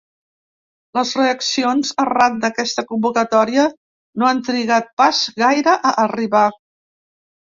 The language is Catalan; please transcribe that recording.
Les reaccions arran d’aquesta convocatòria no han trigat pas gaire a arribar.